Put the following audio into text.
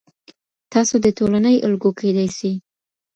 تاسو د ټولنې الګو کیدی سئ.